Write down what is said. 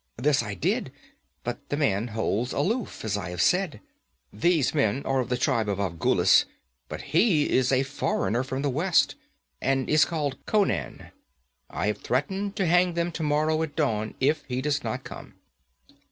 This I did, but the man holds aloof, as I have said. These men are of the tribe of Afghulis, but he is a foreigner from the west, and he is called Conan. I have threatened to hang them tomorrow at dawn, if he does not come.'